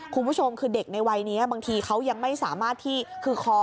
คุณผู้ชมคือเด็กในวัยนี้บางทีเขายังไม่สามารถที่คือคอ